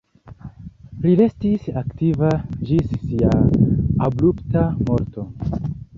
Li restis aktiva ĝis sia abrupta morto.